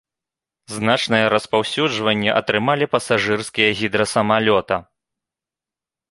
Значнае распаўсюджванне атрымалі пасажырскія гідрасамалёта.